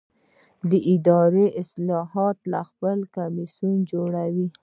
د اداري اصلاحاتو خپلواک کمیسیون جوړول.